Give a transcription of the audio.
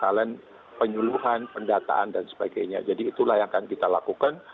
bahwa mahasiswa mahasiswa yang berada di lingkungan fakultas fakultas hubungannya dengan kesehatan